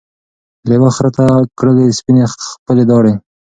لېوه خره ته کړلې سپیني خپلي داړي